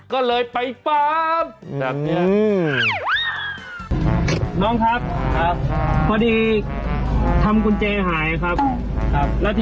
ถามพนักงานเซเว่นใช่ไหมครับครับ